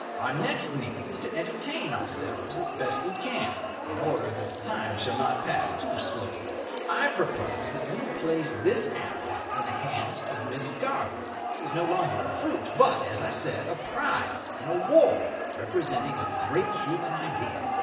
Our next need is to entertain ourselves as best we can, in order that the time shall not pass too slowly. I propose that we place this apple in the hands of Miss Garland. It is no longer a fruit, but, as I said, a prize, in award, representing a great human idea.